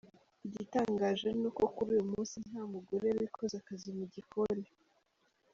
Igitangaje ni uko kuri uyu munsi nta mugore wikoza akazi mu gikoni.